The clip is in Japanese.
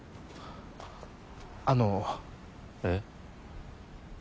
あの。えっ？